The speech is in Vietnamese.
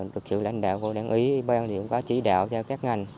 được sự lãnh đạo của đảng ý ban thì cũng có chỉ đạo cho các ngành